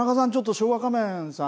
昭和仮面さん